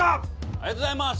ありがとうございます。